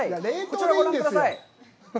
こちらをご覧ください。